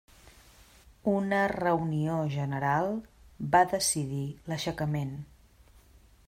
Una reunió general va decidir l'aixecament.